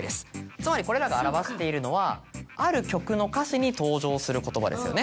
つまりこれらが表しているのはある曲の歌詞に登場する言葉ですよね。